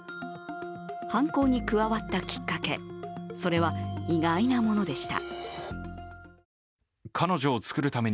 犯行に加わったきっかけ、それは意外なものでした。